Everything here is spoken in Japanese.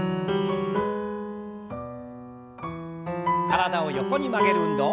体を横に曲げる運動。